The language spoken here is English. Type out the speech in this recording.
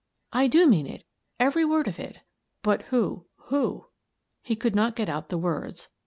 " I do mean it — every word of it" "But who — who— " He could not get out the words.